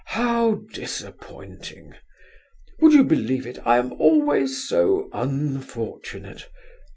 How disappointing! Would you believe it, I am always so unfortunate!